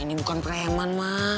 ini bukan preman